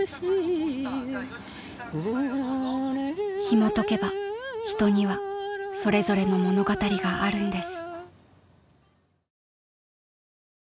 ［ひもとけば人にはそれぞれの物語があるんです］